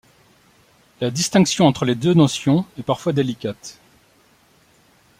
La distinction entre les deux notions est parfois délicate.